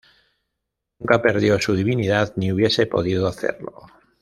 Nunca perdió su divinidad, ni hubiese podido hacerlo.